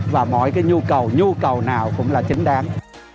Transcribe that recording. và mọi cái nhu cầu nhu cầu nào cũng là chính đáng